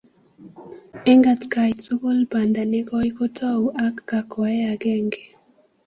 Eng atkai tugul banda nekoi kotou ak kwakwae akenge,